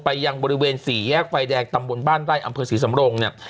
ยังบริเวณสี่แยกไฟแดงตำบลบ้านไร่อำเภอศรีสำรงเนี่ย